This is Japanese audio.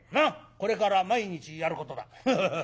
これから毎日やることだハハハハ。